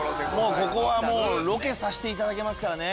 ここはロケさしていただけますからね。